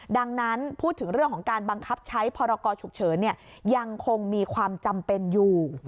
ดังนั้นพูดถึงเรื่องของการบังคับใช้พรกรฉุกเฉินยังคงมีความจำเป็นอยู่